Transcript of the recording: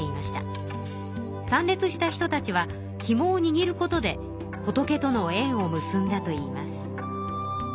参列した人たちはひもをにぎることで仏とのえんを結んだといいます。